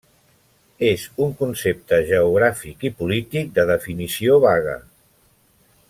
És un concepte geogràfic i polític de definició vaga.